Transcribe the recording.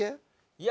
いや。